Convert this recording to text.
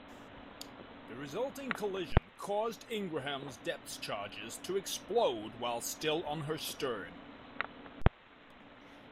The resulting collision caused "Ingraham"s depth charges to explode while still on her stern.